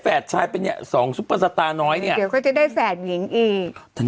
แล้วอันนี้เท่ากับเขาจะมี๓แฝด